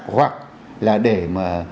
hoặc là để mà